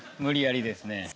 無理やりですね。